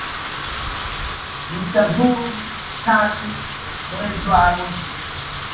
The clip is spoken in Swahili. Nitazuru miji mitatu mwezi wa Agosti.